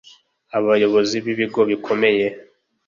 abayobozi b’ibigo bikomeye